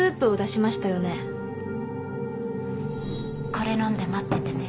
これ飲んで待っててね